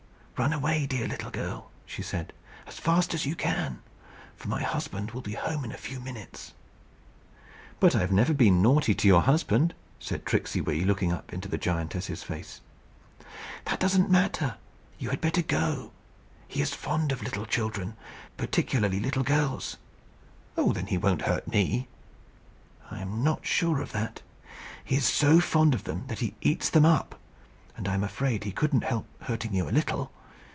"Run away, dear little girl," she said, "as fast as you can; for my husband will be home in a few minutes." "But I've never been naughty to your husband," said Tricksey Wee, looking up in the giantess's face. "That doesn't matter. You had better go. He is fond of little children, particularly little girls." "Oh, then he won't hurt me." "I am not sure of that. He is so fond of them that he eats them up; and I am afraid he couldn't help hurting you a little.